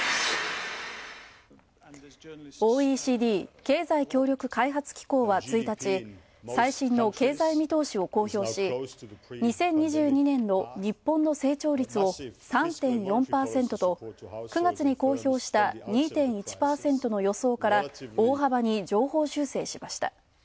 ＯＥＣＤ＝経済協力開発機構は、１日、最新の経済見通しを公表し、２０２２年の日本の成長率を３．４％と、９月に公表した２．１％の予想から大幅に上方修正しました。